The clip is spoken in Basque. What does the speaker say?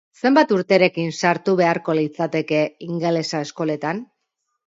Zenbat urterekin sartu beharko litzateke ingelesa eskoletan?